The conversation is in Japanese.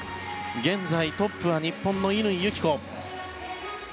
現在トップは日本の乾友紀子。